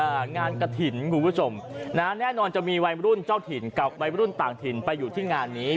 งานกระถิ่นคุณผู้ชมนะฮะแน่นอนจะมีวัยรุ่นเจ้าถิ่นกับวัยรุ่นต่างถิ่นไปอยู่ที่งานนี้